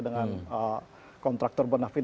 dengan kontraktor bonafit